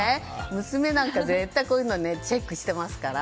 娘なんか、絶対こういうのはチェックしてますから。